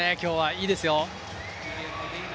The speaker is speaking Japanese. いいですよ。